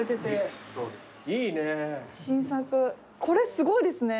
これすごいですね